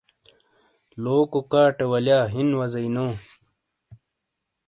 ۔۔لوکو کاٹے والیا ہین وازی نو ۔